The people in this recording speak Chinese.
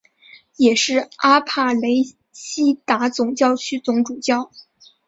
也是阿帕雷西达总教区总主教。